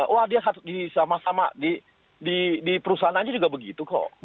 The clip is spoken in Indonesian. wah dia sama sama di perusahaan aja juga begitu kok